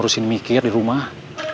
masyarakat di rumah